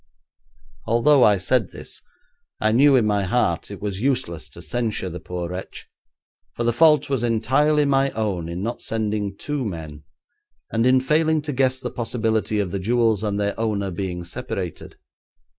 Although I said this, I knew in my heart it was useless to censure the poor wretch, for the fault was entirely my own in not sending two men, and in failing to guess the possibility of the jewels and their owner being separated.